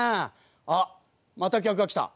あっまた客が来た。